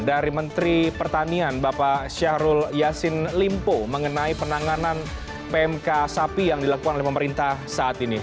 dari menteri pertanian bapak syahrul yassin limpo mengenai penanganan pmk sapi yang dilakukan oleh pemerintah saat ini